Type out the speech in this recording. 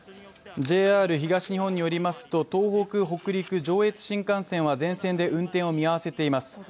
ＪＲ東日本によりますと東北北陸上越新幹線は全線で運転を見合わせています。